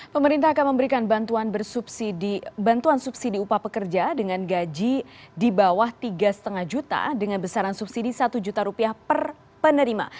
pemerintah akan memberikan bantuan subsidi upah pekerja dengan gaji di bawah tiga lima juta dengan besaran subsidi satu juta rupiah per penerima